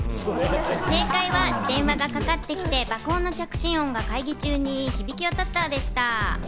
正解は、電話がかかってきて爆音の着信音が会場中に響き渡ったでした。